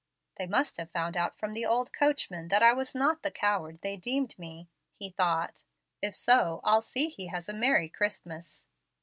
"They must have found out from the old coachman that I was not the coward they deemed me," he thought. "If so, I'll see he has a merry Christmas."